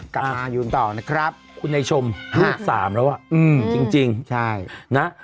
กลับมาอยู่ต่อนะครับคุณฮายชมดูสามแล้วอืมจริงใช่นะ